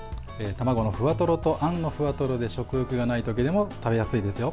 卵のふわとろとあんのふわとろで食欲がないときでも食べやすいですよ。